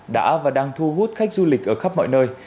đã và đang thu hút khách du lịch ở khắp mọi nơi